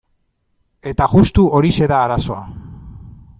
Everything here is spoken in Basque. Eta justu horixe da arazoa.